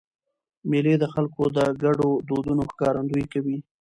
مېلې د خلکو د ګډو دودونو ښکارندویي کوي.